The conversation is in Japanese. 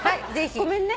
ごめんね。